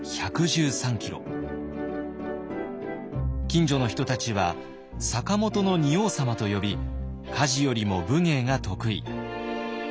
近所の人たちは「坂本の仁王さま」と呼び家事よりも武芸が得意。